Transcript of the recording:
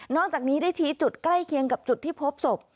จากนี้ได้ชี้จุดใกล้เคียงกับจุดที่พบศพ